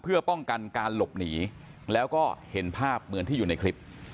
เพื่อป้องกันการหลบหนีแล้วก็เห็นภาพเหมือนที่อยู่ในคลิป